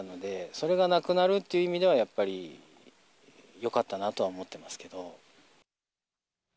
それがなくなるという意味では、やっぱりよかったなとは思ってますけど。